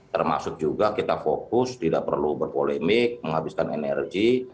termasuk juga kita fokus tidak perlu berpolemik menghabiskan energi